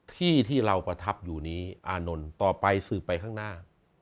ที่ที่เราประทับอยู่นี้อานนท์ต่อไปสืบไปข้างหน้า